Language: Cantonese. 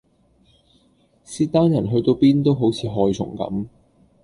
契丹人去到邊都好似害蟲咁